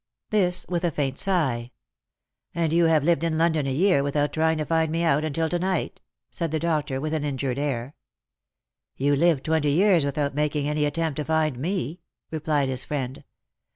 This with a faint sigh. " And you have lived in London a year without trying to find me out until to night?" said the doctor, with an injured air. " You lived twenty years without making any attempt to find me," replied his friend.